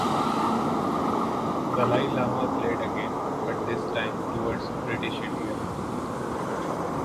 The Dalai Lama fled again, but this time towards British India.